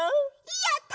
やった！